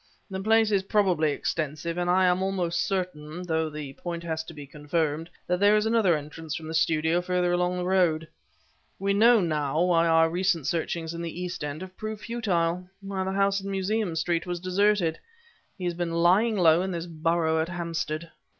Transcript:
The place probably is extensive, and I am almost certain though the point has to be confirmed that there is another entrance from the studio further along the road. We know, now, why our recent searchings in the East End have proved futile; why the house in Museum Street was deserted; he has been lying low in this burrow at Hampstead!"